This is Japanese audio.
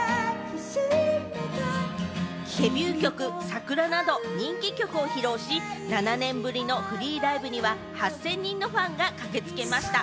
デビュー曲『ＳＡＫＵＲＡ』など人気曲を披露し、７年ぶりのフリーライブには８０００人のファンが駆けつけました。